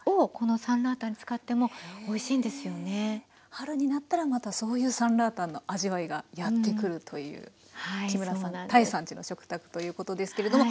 春になったらまたそういうサンラータンの味わいがやって来るという木村さん多江さんちの食卓ということですけれども。